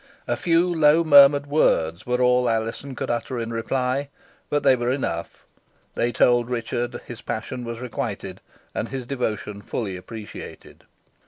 A few low murmured words were all Alizon could utter in reply, but they were enough. They told Richard his passion was requited, and his devotion fully appreciated.